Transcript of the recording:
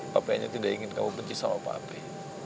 papi hanya tidak ingin kamu benci sama papi